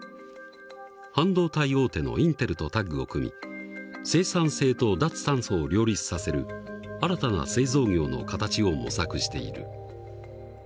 半導体大手のインテルとタッグを組み生産性と脱炭素を両立させる新たな製造業の形を模索している。